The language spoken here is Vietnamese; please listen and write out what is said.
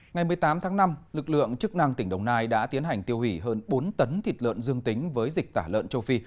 ngày một mươi tám tháng năm lực lượng chức năng tỉnh đồng nai đã tiến hành tiêu hủy hơn bốn tấn thịt lợn dương tính với dịch tả lợn châu phi